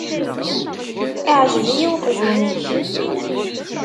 Iεgeb-iyi uqjun-ik.